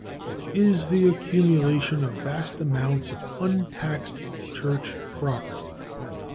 It is the accumulation of vast amounts of untaxed church property.